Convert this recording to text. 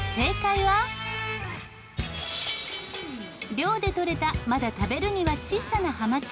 漁でとれたまだ食べるには小さなはまち。